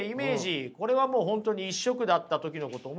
これはもう本当に一色だった時のこと思い出してください。